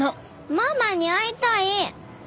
ママに会いたい！